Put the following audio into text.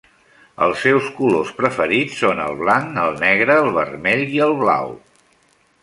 Els seus colors preferits són el blanc, el negre, el vermell i el blau.